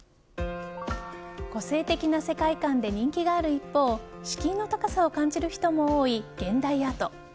個性的な世界観で人気がある一方敷居の高さを感じる人も多い現代アート。